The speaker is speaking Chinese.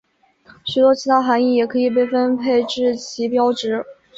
许多其他含意也可以被分配至旗标值。